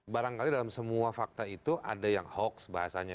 barangkali dalam semua fakta itu ada yang hoax bahasanya